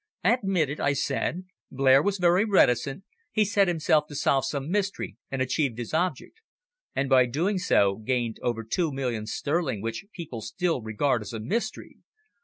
"Admitted," I said. "Blair was always very reticent. He set himself to solve some mystery and achieved his object." "And by doing so gained over two millions sterling which people still regard as a mystery.